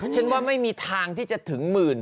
ฉันว่าไม่มีทางที่จะถึงหมื่น